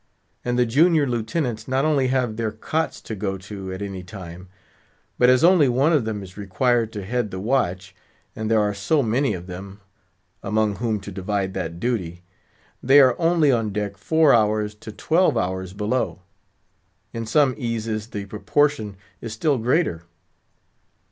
And the junior Lieutenants not only have their cots to go to at any time: but as only one of them is required to head the watch, and there are so many of them among whom to divide that duty, they are only on deck four hours to twelve hours below. In some eases the proportion is still greater.